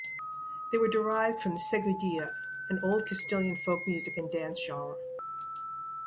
They were derived from the Seguidilla, an old Castilian folk music and dance genre.